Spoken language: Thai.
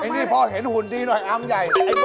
นี่พ่อเห็นหุ่นดีหน่อยอำใหญ่